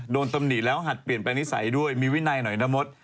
ตำหนิแล้วหัดเปลี่ยนแปลงนิสัยด้วยมีวินัยหน่อยนะมด